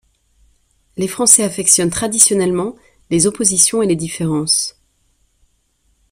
Les Français affectionnent traditionnellement les oppositions et les différences.